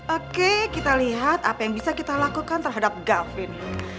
oke kita lihat apa yang bisa kita lakukan terhadap gavin